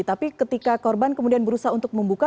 tapi ketika korban kemudian berusaha untuk membuka